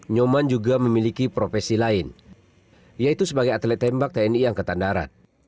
nyoman juga memiliki profesi lain yaitu sebagai atlet tembak tni angkatan darat